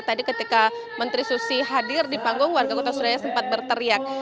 tadi ketika menteri susi hadir di panggung warga kota surabaya sempat berteriak